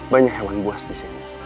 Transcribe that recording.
banyak hewan buas disini